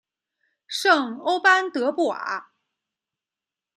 圣欧班德布瓦。